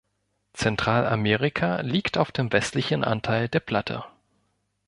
Zentralamerika liegt auf dem westlichen Anteil der Platte.